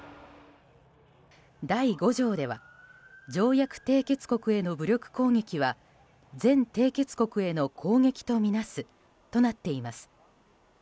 第５条では、条約締結国への武力攻撃は全締結国への攻撃をみなすとなっています。